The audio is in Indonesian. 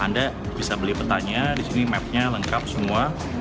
anda bisa beli petanya disini map nya lengkap semua